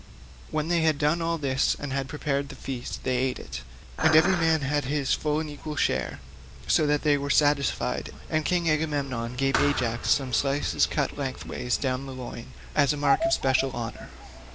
When they had done all this and had prepared the feast, they ate it, and every man had his full and equal share, so that all were satisfied, and King Agamemnon gave Ajax some slices cut lengthways down the loin, as a mark of special honour.